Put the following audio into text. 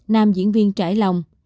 nam diễn viên trải lòng